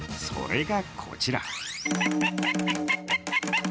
それが、こちら。